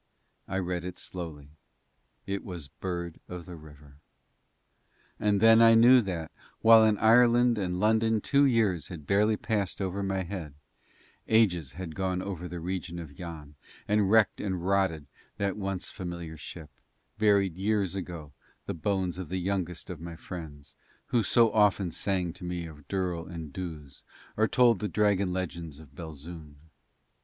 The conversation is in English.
I read it slowly it was Bird of the River. And then I knew that, while in Ireland and London two years had barely passed over my head, ages had gone over the region of Yann and wrecked and rotted that once familiar ship, and buried years ago the bones of the youngest of my friends, who so often sang to me of Durl and Duz or told the dragon legends of Belzoond.